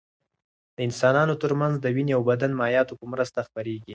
د انسانانو تر منځ د وینې او بدن مایعاتو په مرسته خپرېږي.